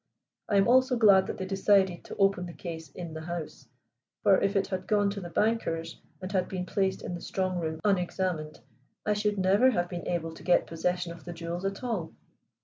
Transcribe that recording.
I am also glad that they decided to open the case in the house, for if it had gone to the bankers' and had been placed in the strongroom unexamined, I should never have been able to get possession of the jewels at all."